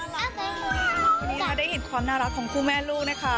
วันนี้ค่ะได้เห็นความน่ารักของคู่แม่ลูกนะคะ